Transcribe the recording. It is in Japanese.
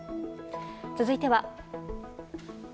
続いては。